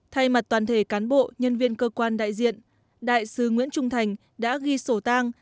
thay mặt toàn thể cán bộ nhân viên cơ quan đại diện đại sứ nguyễn trung thành đã ghi sổ tang